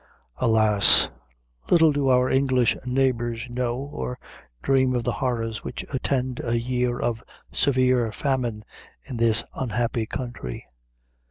Alas! little do our English neighbors know or dream of the horrors which attend a year of severe famine in this unhappy country.